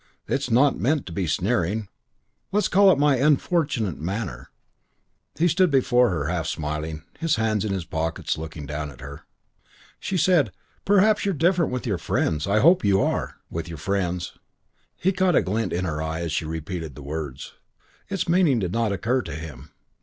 "It's not meant to be sneering. Let's call it my unfortunate manner." He stood before her, half smiling, his hands in his pockets, looking down at her. She said, "Perhaps you're different with your friends. I hope you are. With your friends." He caught a glint in her eye as she repeated the words. Its meaning did not occur to him.